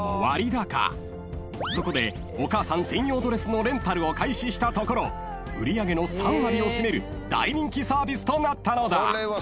［そこでお母さん専用ドレスのレンタルを開始したところ売り上げの３割を占める大人気サービスとなったのだ］